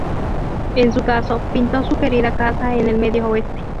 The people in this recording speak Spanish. En su caso, pintó su querida casa en el Medio Oeste.